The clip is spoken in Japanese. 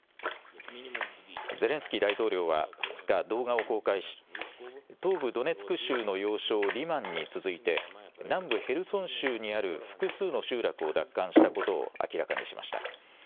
ゼレンスキー大統領は２日、動画を公開し、東部ドネツク州の要衝リマンに続いて、南部ヘルソン州にある複数の集落を奪還したことを明らかにしました。